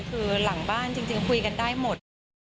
คือหลังบ้านจริงคุยกันได้หมด